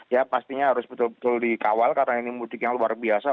ya pastinya harus betul betul dikawal karena ini mudik yang luar biasa